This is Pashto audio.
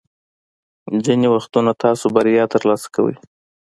ځینې وختونه تاسو بریا ترلاسه کوئ.